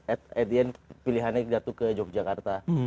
at at the end pilihannya jatuh ke yogyakarta